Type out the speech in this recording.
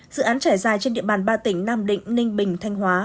dự án trải dài trên địa bàn ba tỉnh nam định ninh bình thanh hóa